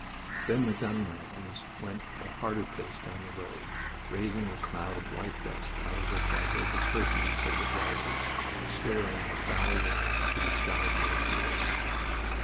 Then the gun wagons went at a harder pace down the road, raising a cloud of white dust out of which I heard the curses of the drivers, swearing in a foul way to disguise their fear.